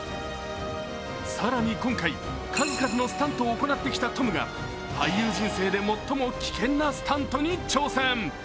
更に今回、数々のスタントを行ってきたトムが、俳優人生で最も危険なスタントに挑戦。